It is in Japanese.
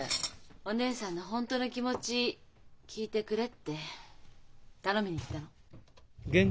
お義姉さんの本当の気持ち聞いてくれって頼みに行ったの。